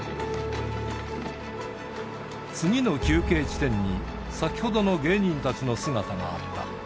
次の休憩地点に、先ほどの芸人たちの姿があった。